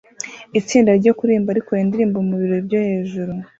Itsinda ryo kuririmba rikora indirimbo mubirori byo hejuru